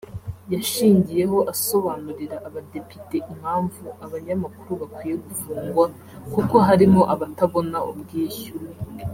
yashingiyeho asobanurira abadepite impamvu abanyamakuru bakwiye gufungwa kuko harimo abatabona ubwishyu